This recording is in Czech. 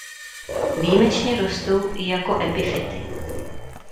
Výjimečně rostou i jako epifyty.